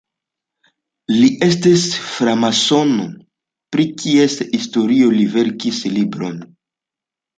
Li estis framasono, pri kies historio li verkis libron.